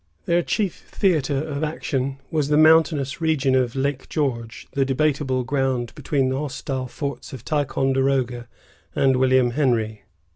Their chief theatre of action was the mountainous region of Lake George, the debatable ground between the hostile forts of Ticonderoga and William Henry.